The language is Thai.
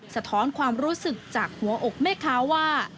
สะท้อนความรู้สึกจากหัวอกแม่ค้าว่า